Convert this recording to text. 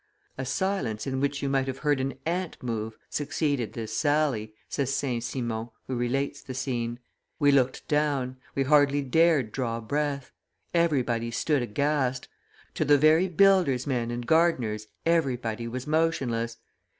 "A silence in which you might have heard an ant move succeeded this sally," says St. Simon, who relates the scene; "we looked down; we hardly dared draw breath. Everybody stood aghast. To the very builders men and gardeners everybody was motionless.